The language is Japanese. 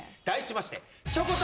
題しまして。